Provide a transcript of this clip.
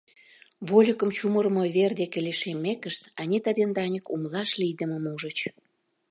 Вольыкым чумырымо вер деке лишеммекышт, Анита ден Даник умылаш лийдымым ужыч.